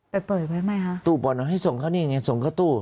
ไปเปิดไว้ไหมฮะตู้ปอล์นอให้ส่งเข้านี่ไงส่งเข้าตู้